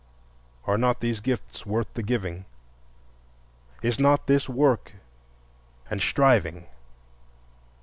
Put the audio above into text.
Are not these gifts worth the giving? Is not this work and striving?